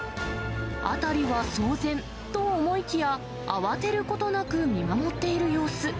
辺りは騒然と思いきや、慌てることなく見守っている様子。